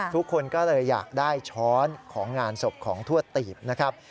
ทุกคนก็เลยอยากได้ช้อนของงานศพของทวดตีบนะครับ